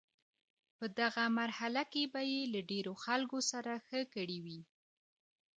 په دغه مرحله کې به یې له ډیرو خلکو سره ښه کړي وي.